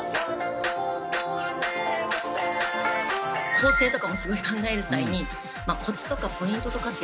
構成とかもすごい考える際にコツとかポイントとかって。